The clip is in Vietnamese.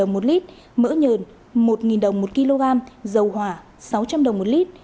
mỡ nhờn là một đồng một kg dầu hỏa là sáu trăm linh đồng một lít